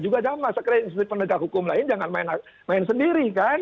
kalau masyarakat penegak hukum lain jangan main sendiri kan